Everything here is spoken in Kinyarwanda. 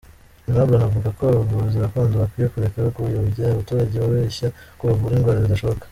Aimable anavuga ko abavuzi gakondo bakwiye kureka kuyobya abaturage bababeshya ko bavura indwara zidashoboka.